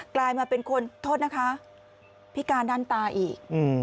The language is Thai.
กลายมาเป็นคนโทษนะคะพิการด้านตาอีก